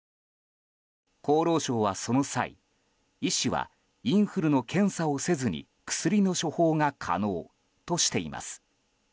厚労省は、その際医師はインフルの検査をせずに薬の処方が可能としています。